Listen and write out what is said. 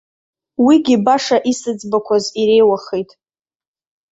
Уигьы баша исыӡбақәаз иреиуахеит.